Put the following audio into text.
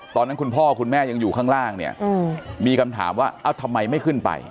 คุณพ่อคุณแม่ยังอยู่ข้างล่างเนี่ยมีคำถามว่าเอ้าทำไมไม่ขึ้นไป